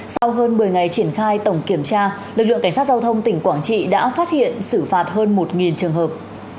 sau hơn một mươi ngày triển khai tổng kiểm tra lực lượng cảnh sát giao thông tỉnh quảng trị đã phát hiện xử phạt hơn một trường hợp